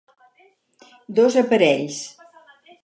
Dos aparells.